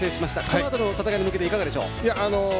このあとの戦いに向けていかがでしょうか？